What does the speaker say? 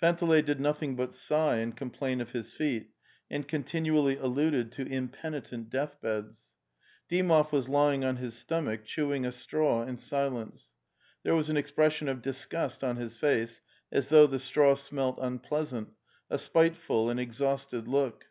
Panteley did nothing but sigh and complain of his feet, and continually alluded to impenitent death beds. Dymov was lying on his stomach, chewing a straw in silence; there was an expression of disgust on his face as though the straw smelt unpleasant, a spiteful and exhausted look.